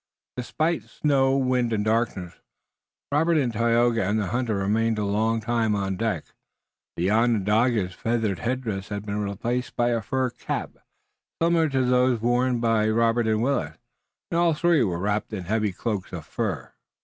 Despite snow, wind and darkness Robert, Tayoga and the hunter remained a long, time on deck. The Onondaga's feather headdress had been replaced by a fur cap, similar to those now worn by Robert and Willet, and all three were wrapped in heavy cloaks of furs.